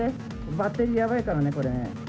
バッテリーやばいからね、これね。